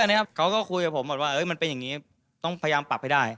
วันนี้พวกผมก็คุยกับผมคิดว่าสิ่งงี้อย่างนี้ต้องพยายามปรับให้ได้